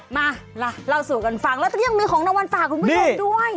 มาล่ะเล่าสู่กันฟังแล้วก็ยังมีของรางวัลฝากคุณผู้ชมด้วย